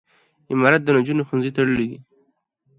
امارت د نجونو ښوونځي تړلي.